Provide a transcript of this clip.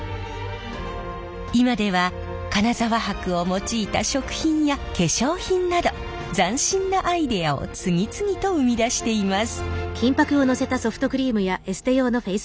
今では金沢箔を用いた食品や化粧品など斬新なアイデアを次々と生み出しています。